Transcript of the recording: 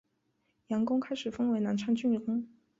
杨珙开始封为南昌郡公。